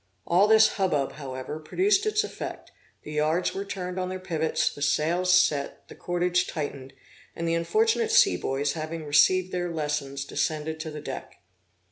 All this hubbub, however, produced its effect; the yards were turned on their pivots, the sails set, the cordage tightened, and the unfortunate sea boys having received their lesson descended to the deck.